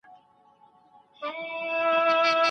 ډاکټر به زموږ پاڼه وړاندي نه کړي.